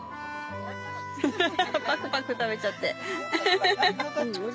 パクパク食べちゃってフフフ！